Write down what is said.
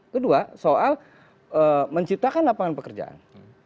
kedua soal menciptakan lapangan pekerjaan